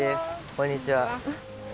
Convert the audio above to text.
こんにちは。